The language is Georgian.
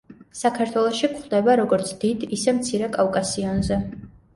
საქართველოში გვხვდება როგორც დიდ, ისე მცირე კავკასიონზე.